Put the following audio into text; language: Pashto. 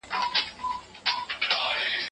مرګ د ډېرو هیلې نیمګړې پرېږدي.